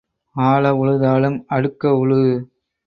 ஆழ உழுதாலும் அடுக்க உழு.